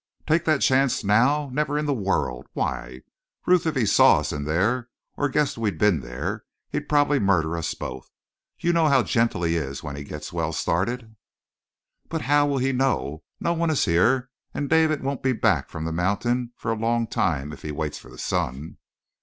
"Take that chance now? Never in the world! Why, Ruth, if he saw us in there, or guessed we'd been there, he'd probably murder us both. You know how gentle he is when he gets well started?" "But how will he know? No one is here, and David won't be back from the mountain for a long time if he waits for the sun."